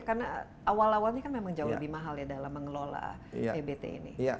karena awal awalnya memang jauh lebih mahal ya dalam mengelola ebt ini